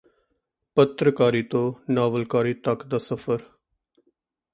ਪੱਤਰਕਾਰੀ ਤੋਂ ਨਾਵਲਕਾਰੀ ਤੱਕ ਦਾ ਸਫਰ